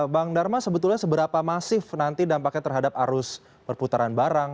bang dharma sebetulnya seberapa masif nanti dampaknya terhadap arus perputaran barang